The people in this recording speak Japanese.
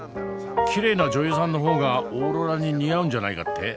きれいな女優さんの方がオーロラに似合うんじゃないかって？